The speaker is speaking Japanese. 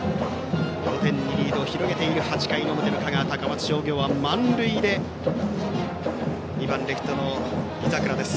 ５点にリードを広げている８回の表の香川・高松商業は満塁で２番レフトの井櫻です。